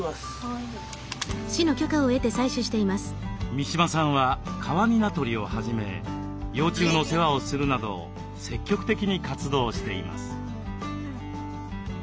三嶋さんはカワニナ取りをはじめ幼虫の世話をするなど積極的に活動しています。